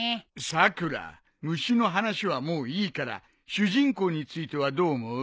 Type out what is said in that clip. さくら虫の話はもういいから主人公についてはどう思う？